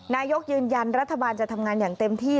นายกยืนยันรัฐบาลจะทำงานอย่างเต็มที่